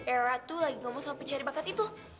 eora tuh lagi ngomong sama pencari bakat itu